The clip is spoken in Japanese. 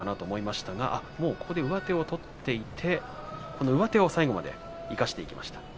どうかなと思いましたがここで上手を取って上手を最後まで生かしていきました。